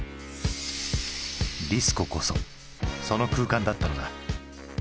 ディスコこそその空間だったのだ。